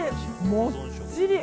もっちり。